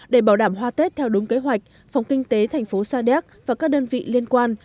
để bảo đảm hoa tết theo đúng kế hoạch phòng kinh tế thành phố sa đéc và các đơn vị liên quan